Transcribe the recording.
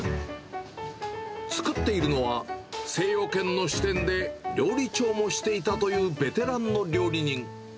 作っているのは、精養軒の支店で料理長をしていたというベテランの料理人。